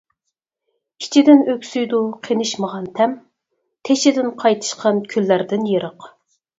ئىچىدىن ئۆكسۈيدۇ قېنىشمىغان تەم، تېشىدىن قايتىشقان كۈنلەردىن يىراق.